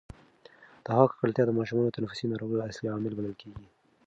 د هوا ککړتیا د ماشومانو د تنفسي ناروغیو اصلي عامل بلل کېږي.